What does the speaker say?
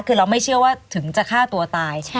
คือเราไม่เชื่อว่าถึงจะฆ่าตัวตาย